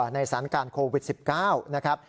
ในสถานการณ์โควิด๑๙นะครับ